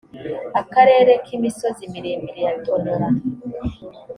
akarere k imisozi miremire ya tonora